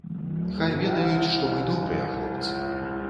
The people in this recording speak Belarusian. Хай ведаюць, што мы добрыя хлопцы.